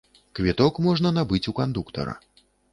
Квіток можна набыць у кандуктара.